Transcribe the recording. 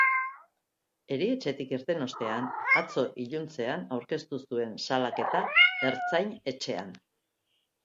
Erietxetik irten ostean, atzo iluntzean aurkeztu zuen salaketa ertzain-etxean.